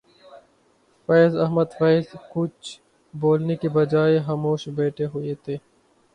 فیض احمد فیض کچھ بولنے کی بجائے خاموش بیٹھے ہوئے تھے